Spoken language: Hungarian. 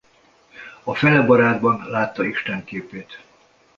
A felebarátban látta Isten képét.